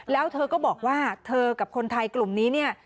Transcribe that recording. แล้วเธอก็บอกว่าเธอกับคนไทยกลุ่มนี้เนี่ย